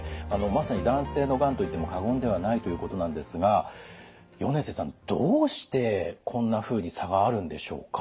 まさに男性のがんと言っても過言ではないということなんですが米瀬さんどうしてこんなふうに差があるんでしょうか。